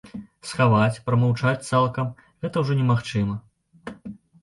Схаваць, прамаўчаць цалкам гэта ўжо немагчыма.